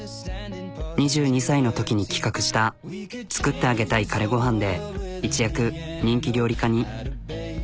２２歳のときに企画した「作ってあげたい彼ごはん」で一躍人気料理家に。